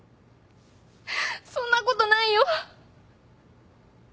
そんなことないよ。